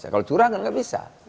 kalau curah kan gak bisa